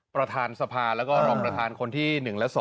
ประธานสภาแล้วก็รองประธานคนที่๑และ๒